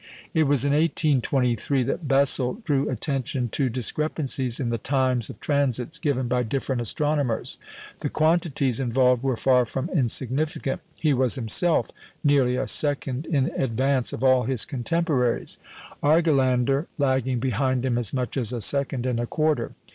It was in 1823 that Bessel drew attention to discrepancies in the times of transits given by different astronomers. The quantities involved were far from insignificant. He was himself nearly a second in advance of all his contemporaries, Argelander lagging behind him as much as a second and a quarter.